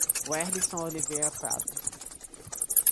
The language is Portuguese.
Werlison Oliveira Prado